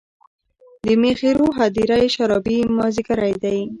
د میخورو هـــــدیره یې شــــــرابي مــــاځیګری دی